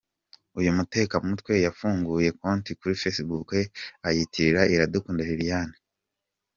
Uyu mutekamutwe yafunguye konti kuri Facebook ayitirira Iradukunda Liliane.